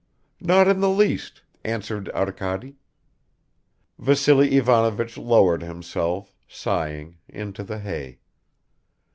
"Not in the least," answered Arkady. Vassily Ivanovich lowered himself, sighing, into the hay.